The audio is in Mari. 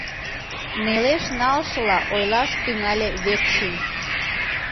— нелеш налшыла ойлаш тӱҥале Векшин.